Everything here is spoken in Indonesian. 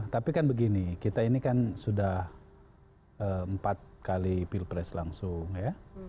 tapi kan begini kita ini kan sudah empat kali pilpres langsung ya